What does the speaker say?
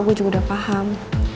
gue juga udah paham